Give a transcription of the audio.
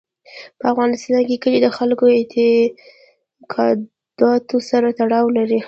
په افغانستان کې کلي د خلکو د اعتقاداتو سره تړاو لري.